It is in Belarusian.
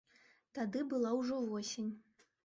Тады была ўжо восень.